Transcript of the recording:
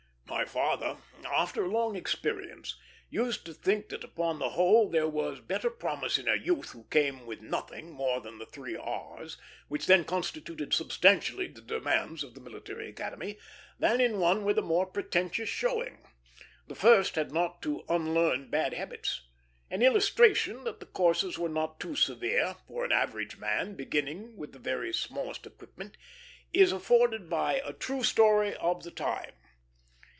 My father, after a long experience, used to think that upon the whole there was better promise in a youth who came with nothing more than the three R's, which then constituted substantially the demands of the Military Academy, than in one with a more pretentious showing. The first had not to unlearn bad habits. An illustration that the courses were not too severe, for an average man beginning with the very smallest equipment, is afforded by a true story of the time.